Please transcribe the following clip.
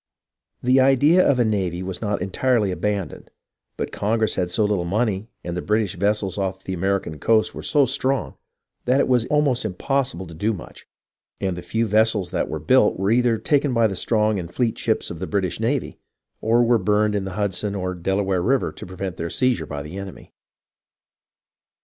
The idea of a navy was not entirely abandoned, but Congress had so little money and the British vessels off the American coast were so strong that it was almost impossible to do much, and the few vessels that were built were either taken by the strong and fleet ships of the British navy or were burned in the Hudson or the Delaware River to prevent their seiz ure by the enemy.